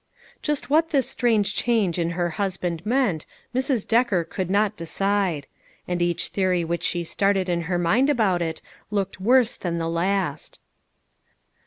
Just what this strange change in her husband meant, Mrs. Decker could not decide; and each theory which she started in her mind about it, looked worse than the last.